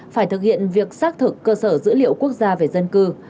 phải thực hiện việc xác thực cơ sở dữ liệu quốc gia về dân cư